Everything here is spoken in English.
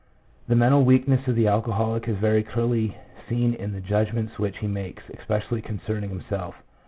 2 The mental weakness of the alcoholic is very clearly seen in the judgments which he makes, especially concerning himself.